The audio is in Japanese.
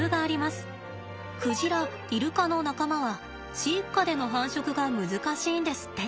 クジライルカの仲間は飼育下での繁殖が難しいんですって。